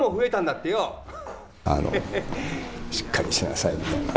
「しっかりしなさい」みたいな。